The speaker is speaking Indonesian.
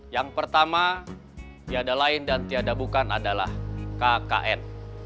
yang pertama tiada lain dan tiada bukan adalah kkn